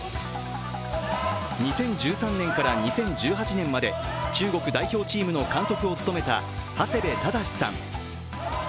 ２０１３年から２０１８年まで中国代表チームの監督を務めた長谷部忠さん。